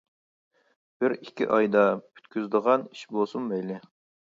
بىر ئىككى ئايدا پۈتكۈزىدىغان ئىش بولسىمۇ مەيلى.